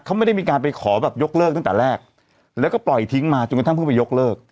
เขาไม่ได้มีการไปขอแบบยกเลิกตั้งแต่แรกแล้วก็ปล่อยทิ้งมาจนกระทั่งเพิ่งไปยกเลิก